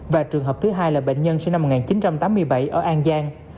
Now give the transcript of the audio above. và trường hợp thứ hai là bệnh nhân sinh năm một nghìn chín trăm tám mươi bảy ở an giang